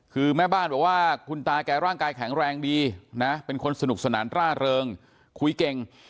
คือแม่บ้านบอกว่าสนุกสนานฤ่งคุ้ยเก่ง